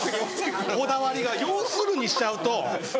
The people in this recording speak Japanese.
こだわりが「要する」にしちゃうと。